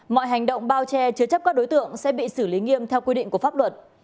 mọi hành động bao che chứa chấp các đối tượng sẽ bị xử lý nghiêm theo quy định của pháp luật